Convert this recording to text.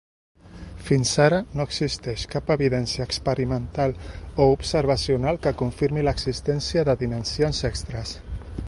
Fins ara, no existeix cap evidència experimental o observacional que confirmi l'existència de dimensions extres.